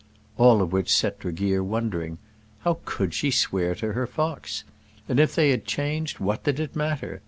All of which set Tregear wondering. How could she swear to her fox? And if they had changed, what did it matter?